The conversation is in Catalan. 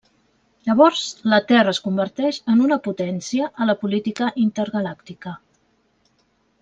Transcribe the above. Llavors, la Terra es converteix en una potència a la política intergalàctica.